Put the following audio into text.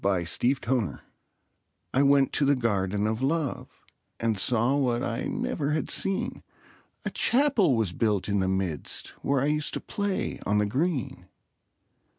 THE GARDEN OF LOVE I went to the Garden of Love, And saw what I never had seen; A Chapel was built in the midst, Where I used to play on the green.